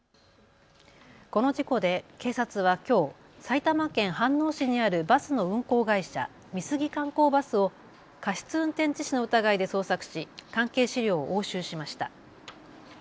この事故で警察はきょう埼玉県飯能市にあるバスの運行会社、美杉観光バスを過失運転致死の疑いで捜索し関係資料を押収しました。